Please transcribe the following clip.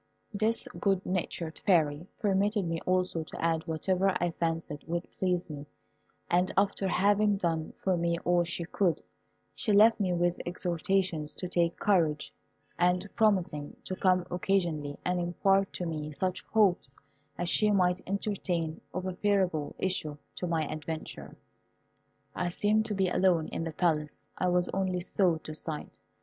This good natured Fairy permitted me also to add whatever I fancied would please me, and after having done for me all she could, she left me with exhortations to take courage, and promising to come occasionally and impart to me such hopes as she might entertain of a favourable issue to my adventure. I seemed to be alone in the Palace. I was only so to sight.